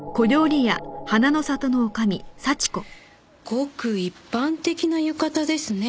ごく一般的な浴衣ですね。